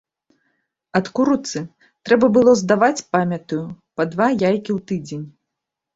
Ад курыцы трэба было здаваць, памятаю, па два яйкі ў тыдзень.